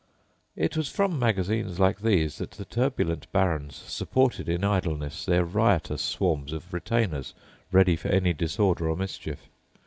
It was from magazines like these that the turbulent barons supported in idleness their riotous swarms of retainers ready for any disorder or mischief.